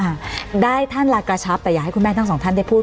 ค่ะได้ท่านละกระชับแต่อยากให้คุณแม่ทั้งสองท่านได้พูด